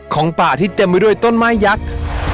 ของป่าที่เต็มไปด้วยต้นไม้ยักษ์